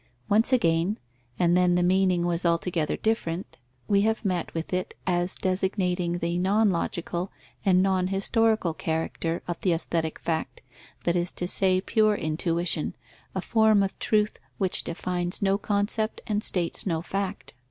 Once again (and then the meaning was altogether different), we have met with it as designating the non logical and non historical character of the aesthetic fact, that is to say pure intuition, a form of truth which defines no concept and states no fact.